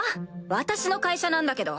私の会社なんだけど。